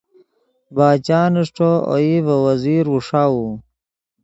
باچان اݰٹو اوئی ڤے وزیر اوݰاؤ